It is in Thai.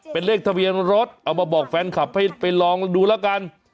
เป็นเลขทะเบียนรถเอามาบอกแฟนคลับให้ไปลองดูแล้วกัน